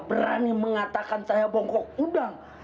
berani mengatakan saya bongkok udang